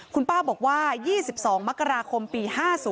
คุณป้าบอกว่า๒๒มกราคมปี๕๐